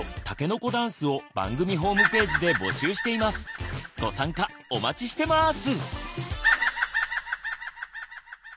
番組ではご参加お待ちしてます！